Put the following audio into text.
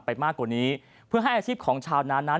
มากกว่านี้เพื่อให้อาชีพของชาวนานนั้น